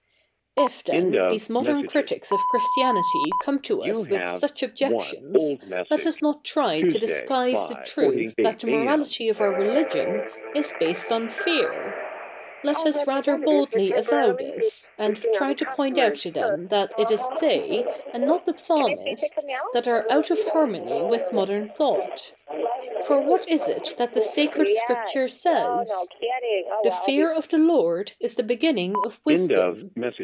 If then, these modern critics of Christianity come to us with such objections, let us not try to disguise the truth that the morality of our religion is based on fear. Let us ratJier boilddy avow this, and try to point out to them that it is they, and ?iot the Psalmist, that are out of ha7'?no?iy with modern thought. For what is it that the sacred Scrip ture says ?" Th£ fear of the Loi d is the begin?iing of wisdom.